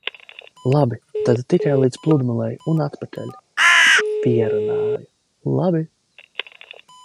Labi, tad tikai līdz pludmalei un atpakaļ. Pierunāju. Labi.